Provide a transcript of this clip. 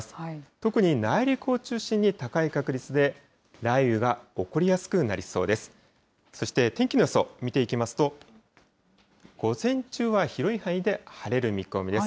特に内陸を中心に高い確率で、雷雨が起こりやすくなりそうです。